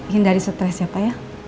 hindari stres ya pak ya